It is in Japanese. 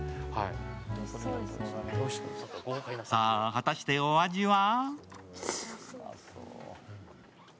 さぁ、果たしてお味は？